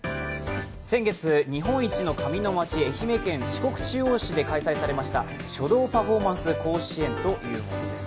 先月、日本一の紙のまち、愛媛県四国中央市で開催された書道パフォーマンス甲子園というものです。